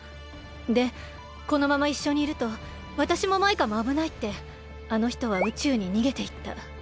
でこのままいっしょにいるとわたしもマイカもあぶないってあのひとは宇宙ににげていった。